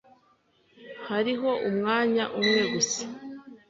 Hariho umwanya umwe gusa.